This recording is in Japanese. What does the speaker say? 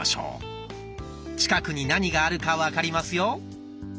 近くに何があるか分かりますよ。